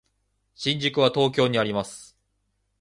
新宿は東京にあります。